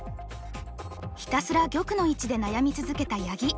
ひたすら玉の位置で悩み続けた八木。